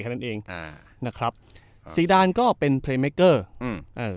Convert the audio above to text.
แค่นั้นเองอ่ะนะครับซีดานก็เป็นฮึอ่อ